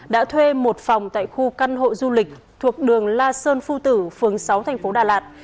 đã thuê một phòng tại khu căn hộ du lịch thuộc đường la sơn phu tử phường sáu tp đà lạt